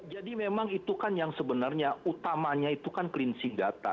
jadi memang itu kan yang sebenarnya utamanya itu kan cleansing data